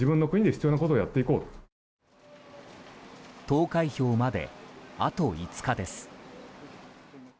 投開票まで、あと５日です。